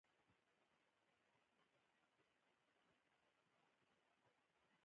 ارواښاد محمد صديق پسرلی نن زموږ په منځ کې نشته.